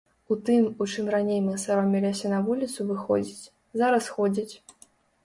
У тым, у чым раней мы саромеліся на вуліцу выходзіць, зараз ходзяць.